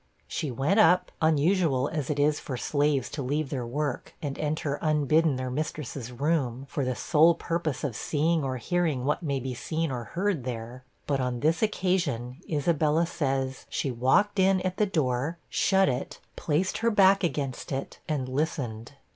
She went up, unusual as it is for slaves to leave their work and enter unbidden their mistress's room, for the sole purpose of seeing or hearing what may be seen or heard there. But on this occasion, Isabella says, she walked in at the door, shut it, placed her back against it, and listened.